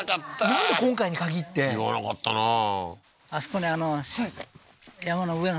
なんで今回に限って言わなかったなー